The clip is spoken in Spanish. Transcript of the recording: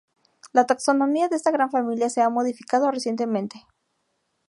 La taxonomía de esta gran familia se ha modificado recientemente.